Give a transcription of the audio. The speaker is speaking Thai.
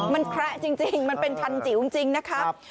อ๋อมันแคระจริงจริงมันเป็นทันจิ๋วจริงนะครับ